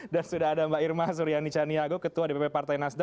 dan sudah ada mbak irma suryani caniago ketua dpp partai nasdaq